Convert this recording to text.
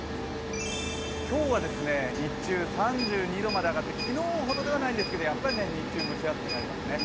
今日は日中３２度まで上がって昨日ほどではないんですけど日中蒸し暑くなりますね。